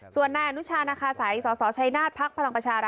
ส่วนนายอนุชาณคาศัยสสชนาธพพรร